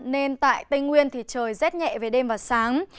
nên tại tây nguyên thì trời rét nhẹ về đêm và sáng